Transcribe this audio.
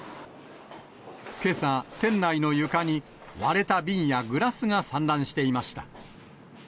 けさ、店内の床に割れた瓶やグラスが散乱していました。